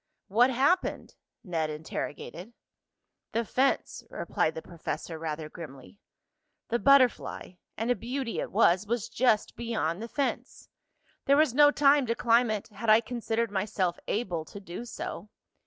"What happened?" Ned interrogated. "The fence," replied the professor rather grimly. "The butterfly, and a beauty it was, was just beyond the fence. There was no time to climb it, had I considered myself able to do so.